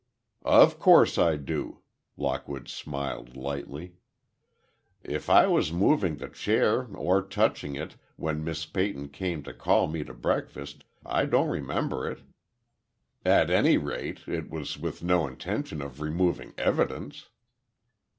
"Of course I do," Lockwood smiled slightly. "If I was moving the chair or touching it, when Miss Peyton came to call me to breakfast I don't remember it. At any rate, it was with no intention of removing evidence."